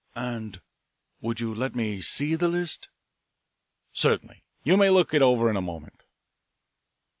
"And would you let me see the list?" "Certainly. You may look it over in a moment."